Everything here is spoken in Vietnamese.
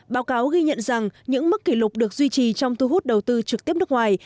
báo cáo ghi nhận rằng những mức kỷ lục được duy trì trong thu hút đầu tư trực tiếp nước ngoài